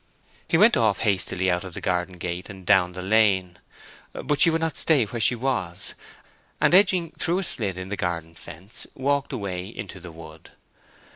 He went off hastily out of the garden gate and down the lane. But she would not stay where she was; and edging through a slit in the garden fence, walked away into the wood.